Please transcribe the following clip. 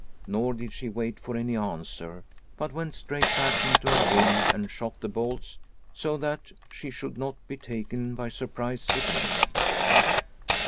Nor did she wait for any answer, but went straight back into her room and shot the bolts so that she should not be taken by surprise again.